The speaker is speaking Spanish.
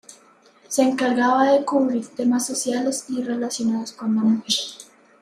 Se encargaba de cubrir temas sociales y relacionados con la mujer.